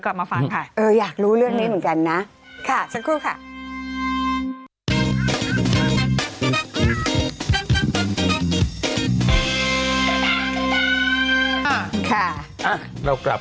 เราต้องใช้เครื่องมือทุกคนหาอะไร